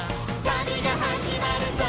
「旅が始まるぞ！」